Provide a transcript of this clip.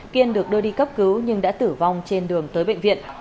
kiên được đưa đi cấp cứu nhưng đã tử vong trên đường tới bệnh viện